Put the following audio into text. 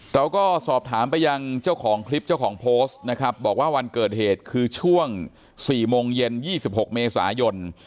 เราก็สอบถามไปยังเจ้าของคลิปเจ้าของโพสต์นะครับบอกว่าวันเกิดเหตุคือช่วง๔โมงเย็น๒๖เมษายน